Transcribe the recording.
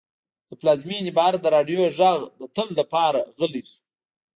له پلازمېنې بهر د راډیو غږ د تل لپاره غلی شو.